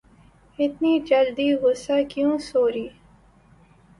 اتنی جلدی غصہ کیوں سوری